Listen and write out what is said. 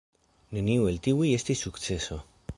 Neniu el tiuj estis sukceso.